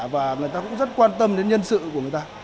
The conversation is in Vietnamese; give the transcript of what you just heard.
và người ta cũng rất quan tâm đến nhân sự của người ta